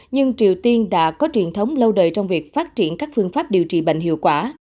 nhưng triều tiên đã có truyền thống lâu đời trong việc phát triển các phương pháp điều trị bệnh hiệu quả